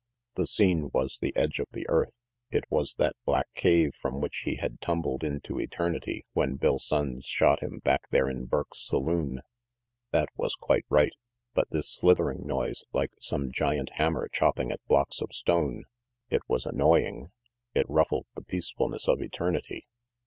The scene was the edge of the earth. It was that black cave from which he had tumbled into eternity when Bill Sonnes shot him back there in Burke's saloon. That was quite right; but this slithering noise, like some giant hammer chopping at blocks of stone it was annoying. It ruffled the peacef ulness of eternity.